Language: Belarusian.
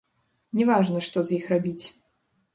Не важна, што з іх рабіць.